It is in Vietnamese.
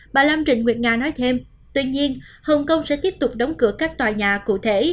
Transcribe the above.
bà lam trình nguyệt nga nói thêm tuy nhiên hồng kông sẽ tiếp tục đóng cửa các tòa nhà cụ thể